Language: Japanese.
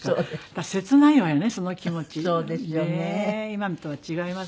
今とは違います